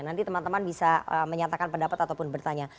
nanti teman teman bisa menyatakan pendapat ataupun bertanya